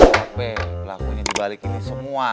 sampai pelakunya dibalik ini semua